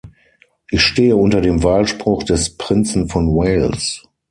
Ich stehe unter dem Wahlspruch des Prinzen von Wales.